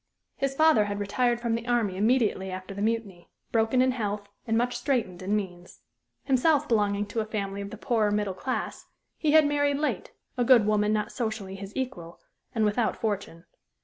His father had retired from the army immediately after the Mutiny, broken in health, and much straitened in means. Himself belonging to a family of the poorer middle class, he had married late, a good woman not socially his equal, and without fortune.